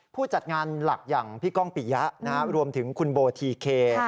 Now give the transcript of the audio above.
ผู้จัดงานหลักอย่างพี่ก้องปิยะรวมถึงคุณโบทีเค